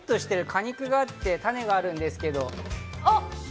果肉があって種があるんですけど。